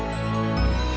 doa buka puasa